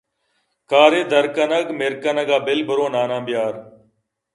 کار ءِ درکنگ مرکنگ ءَ بل برو ناناں بیار